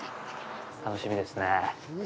楽しみですねぇ。